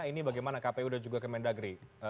ini bagaimana kpu sudah juga ke kementerian agri